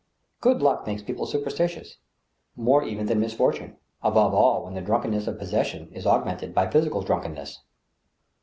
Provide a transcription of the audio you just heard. Good luck makes people superstitious, more even than misfor tune ; above all, when the drunkenness of possession is augmented by physical drunkenness.